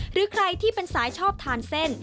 หรือใครที่เป็นสายชอบทานเส้น